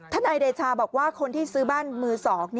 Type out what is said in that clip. นายเดชาบอกว่าคนที่ซื้อบ้านมือ๒